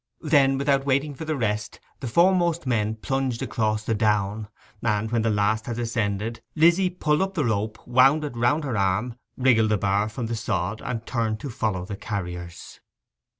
Then, without waiting for the rest, the foremost men plunged across the down; and, when the last had ascended, Lizzy pulled up the rope, wound it round her arm, wriggled the bar from the sod, and turned to follow the carriers.